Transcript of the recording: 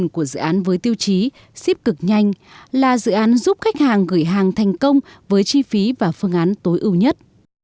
của dự án với tiêu chí ship cực nhanh là dự án giúp khách hàng gửi hàng thành công với chi phí và phương án tối ưu nhất